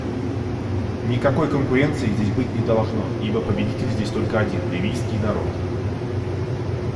Никакой конкуренции здесь быть не должно, ибо победитель здесь только один — ливийский народ.